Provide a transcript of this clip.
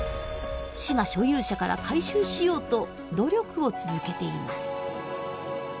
市が所有者から回収しようと努力を続けています。